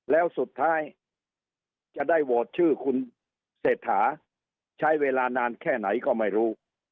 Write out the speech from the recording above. แล้วสุดท้ายจะได้โหวตชื่อคุณเศรษฐาใช้เวลานานแค่ไหนก็ไม่รู้